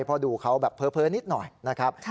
เพราะดูเขาแบบเพ้อนิดหน่อยนะครับ